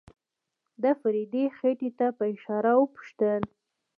د فريدې خېټې ته په اشاره وپوښتل.